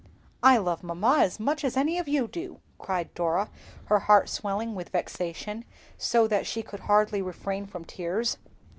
"I love mamma as much as any of you do!" cried Dora, her heart swelling with vexation, so that she could hardly refrain from tears.